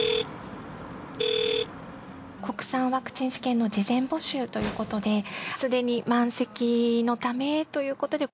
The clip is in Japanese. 国産ワクチン試験の事前募集ということですでに満席のためということで。